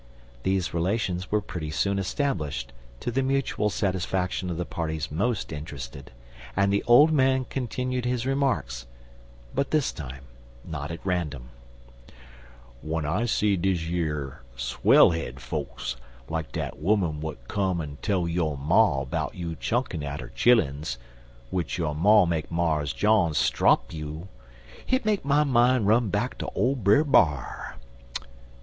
These relations were pretty soon established, to the mutual satisfaction of the parties most interested, and the old man continued his remarks, but this time not at random: "W'en I see deze yer swell head folks like dat 'oman w'at come en tell yo' ma 'bout you chunkin' at her chilluns, w'ich yo' ma make Mars John strop you, hit make my mine run back to ole Brer B'ar.